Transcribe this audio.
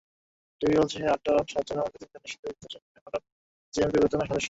DB বলেছে, আটক সাতজনের মধ্যে তিনজন নিষিদ্ধঘোষিত জঙ্গি সংগঠন জেএমবির গুরুত্বপূর্ণ সদস্য।